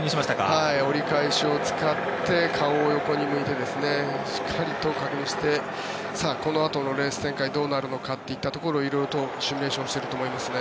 折り返しを使って顔を横に向けてしっかりと確認してこのあとのレース展開どうなるかといったところを色々とシミュレーションしていると思いますね。